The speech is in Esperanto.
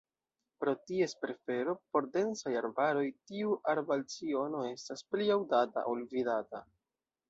Pro ties prefero por densaj arbaroj, tiu arbalciono estas pli aŭdata ol vidata.